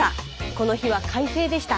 この日は快晴でした。